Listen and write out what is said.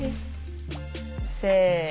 せの。